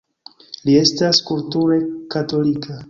Li estas kulture katolika.